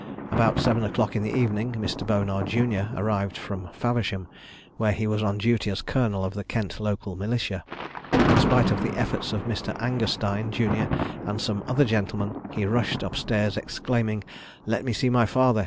About seven o'clock in the evening, Mr. Bonar, jun., arrived from Faversham, where he was on duty as Colonel of the Kent local militia. In spite of the efforts of Mr. Angerstein, jun., and some other gentlemen, he rushed up stairs exclaiming, 'Let me see my father!